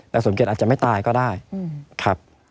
สมเกียจอาจจะไม่ตายก็ได้ครับ